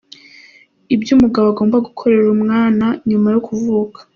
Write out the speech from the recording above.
Ibyo umugabo agomba gukorera umwana nyuma yo kuvuka .